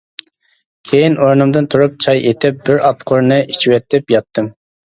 كېيىن ئورنۇمدىن تۇرۇپ، چاي ئېتىپ، بىر ئاپقۇرنى ئىچىۋېتىپ ياتتىم.